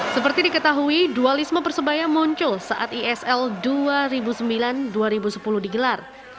seperti diketahui dualisme persebaya muncul saat isl dua ribu sembilan dua ribu sepuluh digelar